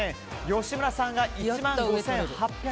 吉村さんが１万５８００円。